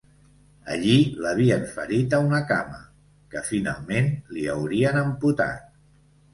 Allí l'havien ferit a una cama, que finalment li haurien amputat.